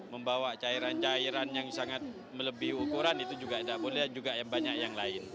membawa cairan cairan yang sangat melebihi ukuran itu juga tidak boleh juga yang banyak yang lain